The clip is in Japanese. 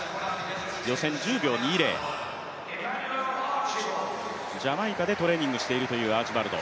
予選１０秒２０、ジャマイカでトレーニングしているというアーチバルド。